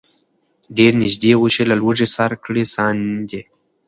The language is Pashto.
ډېر نیژدې وو چي له لوږي سر کړي ساندي